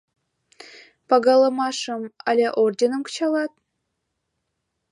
Пагалымашым але орденым кычалат?